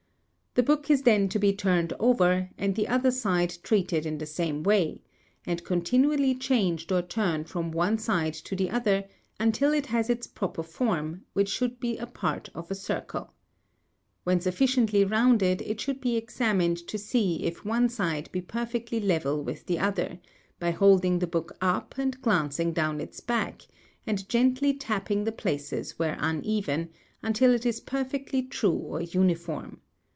The book is then to be turned over, and the other side treated in the same way, and continually |47| changed or turned from one side to the other until it has its proper form, which should be a part of a circle. When sufficiently rounded, it should be examined to see if one side be perfectly level with the other, by holding the book up and glancing down its back, and gently tapping the places where uneven, until it is perfectly true or uniform.